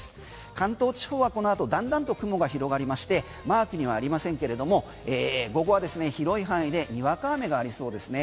関東地方はこのあとだんだんと雲が広がりましてマークにはありませんけれども午後は広い範囲でにわか雨がありそうですね。